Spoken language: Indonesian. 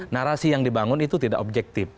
narasi yang dibangun itu tidak objektif